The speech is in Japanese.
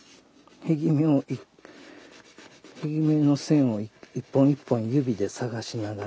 片木目の線を一本一本指で探しながら。